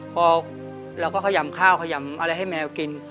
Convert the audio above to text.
พอเราก็ขยำข้าวขยำอะไรให้แมวกิน